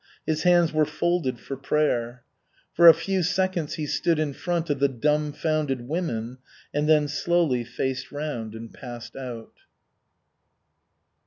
His hands were folded for prayer. For a few seconds he stood in front of the dumfounded women, and then slowly faced round and passed out.